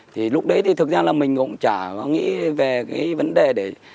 thì lúc đấy thì thực ra là mình cũng chả nó nghĩ về cái vấn đề để